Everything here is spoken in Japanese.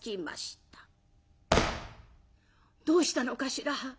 「どうしたのかしら。